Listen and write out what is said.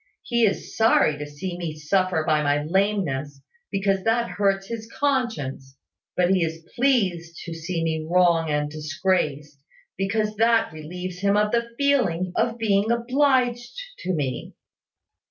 He is sorry to see me suffer by my lameness; because that hurts his conscience: but he is pleased to see me wrong and disgraced, because that relieves him of the feeling of being obliged to me.